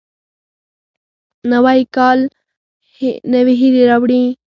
نوی کال نوې هیلې راوړي